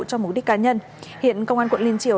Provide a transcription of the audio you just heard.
cho mục đích cá nhân hiện công an quận liên triều